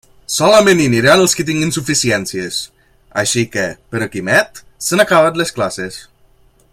Solament hi aniran els qui tinguen suficiències; així que, per a Quimet, s'han acabat les classes.